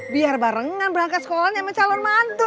biar barengan berangkat sekolahnya sama calon mantu